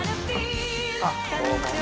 こんにちは。